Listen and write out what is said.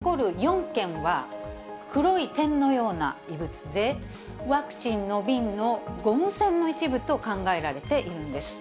そして、この５件中残る４件は、黒い点のような異物で、ワクチンの瓶のゴム栓の一部と考えられているんです。